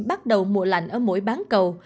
bắt đầu mùa lạnh ở mũi bán cầu